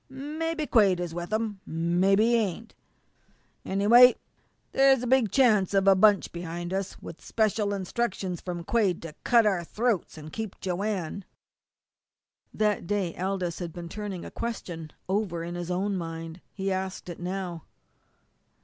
Mebby Quade is with him, an' mebby he ain't. Anyway, there's a big chance of a bunch behind us with special instructions from Quade to cut our throats and keep Joanne." That day Aldous had been turning a question over in his own mind. He asked it now.